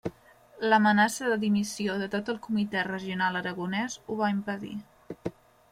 L'amenaça de dimissió de tot el comitè regional aragonès ho va impedir.